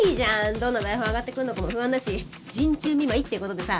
どんな台本上がってくるのかも不安だし陣中見舞いって事でさ。